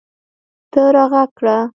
ته راږغ کړه !